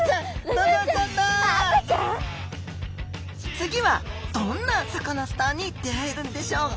次はどんなサカナスターに出会えるんでしょう？